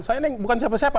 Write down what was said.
saya ini bukan siapa siapa